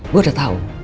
gue udah tau